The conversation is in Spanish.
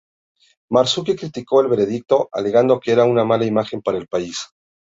Marzouki criticó el veredicto, alegando que era "una mala imagen para el país.